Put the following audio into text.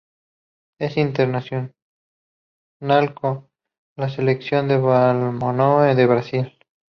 Es internacional con la Selección de balonmano de Brasil.